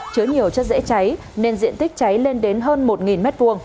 chứa nhiều chất dễ cháy nên diện tích cháy lên đến hơn một m hai